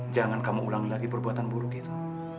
jangan kamu ulangi lagi perbuatan buruk itu